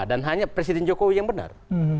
dan hanya presiden jokowi yang benar